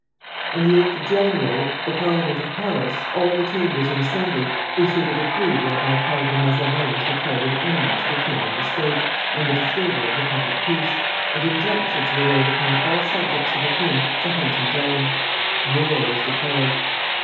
On the 8th of January the Parliament of Paris, all the chambers in assembly, issued a decree whereby Cardinal Mazarin was declared an enemy to the king and the state, and a disturber of the public peace, and injunctions were laid upon all subjects of the king to hunt him down; war was declared.